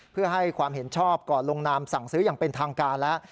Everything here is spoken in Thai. เพื่อให้ความเห็นชอบก่อนลงนามสั่งซื้ออย่างเป็นทางการแล้ว